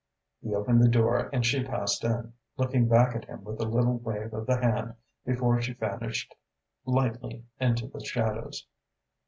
He opened the door and she passed in, looking back at him with a little wave of the hand before she vanished lightly into the shadows.